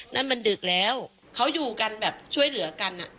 นั่นมันดึกแล้วเขาอยู่กันแบบช่วยเหลือกัน